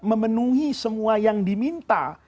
memenuhi semua yang diminta